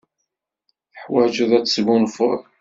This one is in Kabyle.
Teḥwajeḍ ad tesgunfuḍ.